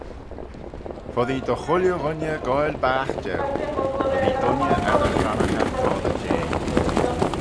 "Foddee dy chooilley ghooinney goaill baght jeu; foddee dooinney ad y chronnaghey foddey jeh."